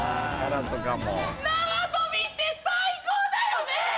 縄跳びって最高だよね！